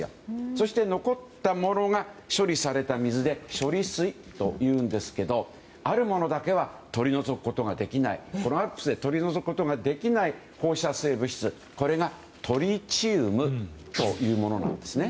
そして残ったものが処理された水で処理水というんですけどあるものだけは、ＡＬＰＳで取り除くことができないという放射性物質、これがトリチウムというものなんです。